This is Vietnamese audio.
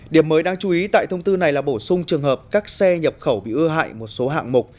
điểm mới đáng chú ý tại thông tư này là bổ sung trường hợp các xe nhập khẩu bị ưa hạ một số hạng mục